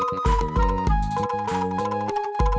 makan nasi merah